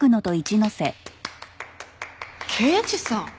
刑事さん！？